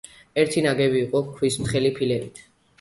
ერთი ნაგები იყო ქვის თხელი ფილებით.